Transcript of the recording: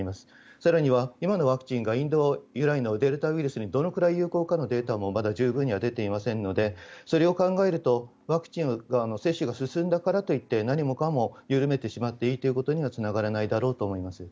更には今のワクチンがインド由来のデルタウイルスにどのくらい有効かのデータもまだ十分に出ていませんのでそれを考えると、ワクチンの接種が進んだからといって何もかも緩めてしまっていいということにはつながらないだろうと思います。